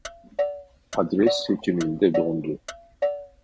Adres seçiminde dondu